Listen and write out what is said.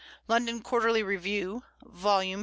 London Quarterly Review, lvii.